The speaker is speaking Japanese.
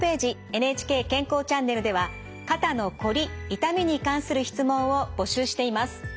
「ＮＨＫ健康チャンネル」では肩のこり・痛みに関する質問を募集しています。